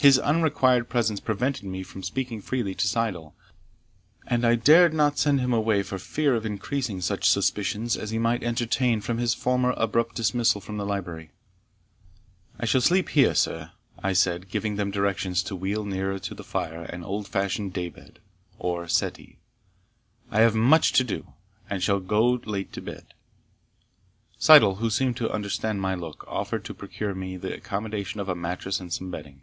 His unrequired presence prevented me from speaking freely to Syddall, and I dared not send him away for fear of increasing such suspicions as he might entertain from his former abrupt dismissal from the library. "I shall sleep here, sir," I said, giving them directions to wheel nearer to the fire an old fashioned day bed, or settee. "I have much to do, and shall go late to bed." Syddall, who seemed to understand my look, offered to procure me the accommodation of a mattress and some bedding.